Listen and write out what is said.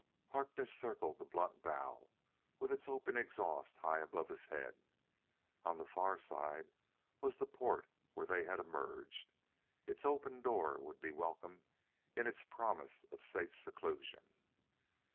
Harkness circled the blunt bow with its open exhaust high above his head. On the far side was the port where they had emerged; its open door would be welcome in its promise of safe seclusion.